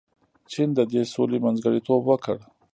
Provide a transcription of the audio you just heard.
چین د دې سولې منځګړیتوب وکړ.